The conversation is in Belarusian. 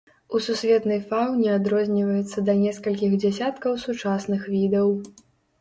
У сусветнай фаўне адрозніваецца да некалькіх дзясяткаў сучасных відаў.